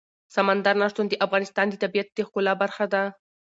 سمندر نه شتون د افغانستان د طبیعت د ښکلا برخه ده.